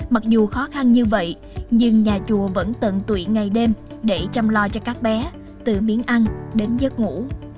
mặc dù khó khăn như vậy nhưng nhà chùa vẫn tận tụy ngày đêm để chăm lo cho các bé từ miếng ăn đến giấc ngủ